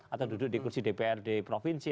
atau duduk di kursi dprd provinsi